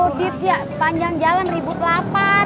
duh si daudit dia sepanjang jalan ribut lapar